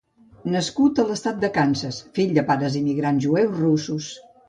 Nascut a l'estat de Kansas, fill de pares immigrants jueus russos.